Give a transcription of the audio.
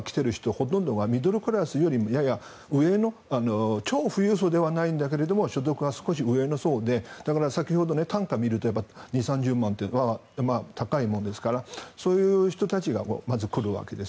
ほとんどミドルクラスよりやや上の超富裕層ではないんだけど所得が少し上の層で先ほど、単価を見ると２０３０万円と高いですからそういう人たちがまず来るわけです。